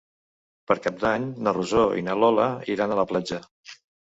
Per Cap d'Any na Rosó i na Lola iran a la platja.